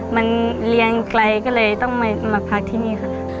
มันเรียงไกลก็เลยต้องมาพักที่นี่ค่ะ